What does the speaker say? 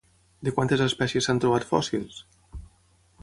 De quantes espècies s'han trobat fòssils?